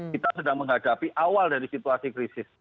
kita sedang menghadapi awal dari situasi krisis